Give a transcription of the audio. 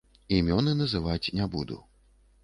Імёны называць не буду.